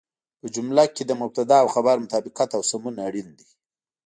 په جمله کې د مبتدا او خبر مطابقت او سمون اړين دی.